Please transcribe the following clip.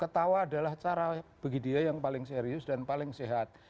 ketawa adalah cara bagi dia yang paling serius dan paling sehat